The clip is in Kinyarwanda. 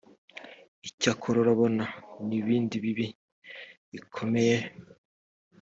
icyakora urabona n’ibindi bibi bikomeye